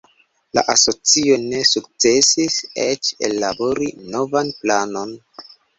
La asocio ne sukcesis eĉ ellabori novan planon.